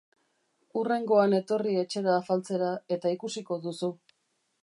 Hurrengoan etorri etxera afaltzera, eta ikusiko duzu.